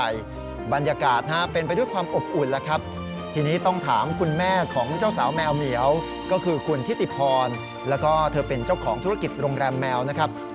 แล้วก็เธอเป็นเจ้าของธุรกิจโรงแรมแมวนะครับ